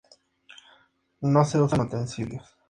No se usan utensilios.